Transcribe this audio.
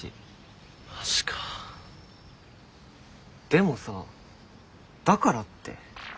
でもさだからって。